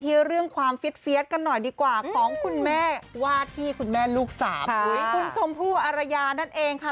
เรื่องความเฟียสกันหน่อยดีกว่าของคุณแม่ว่าที่คุณแม่ลูกสามคุณชมพู่อารยานั่นเองค่ะ